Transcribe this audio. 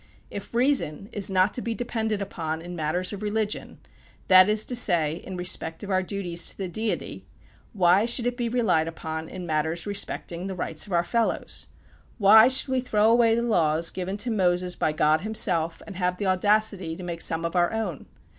If reason is not to be depended upon in matters of religion, that is to say, in respect of our duties to the Deity, why should it be relied upon in matters respecting the rights of our fellows? Why should we throw away the laws given to Moses by God himself, and have the audacity to make some of our own?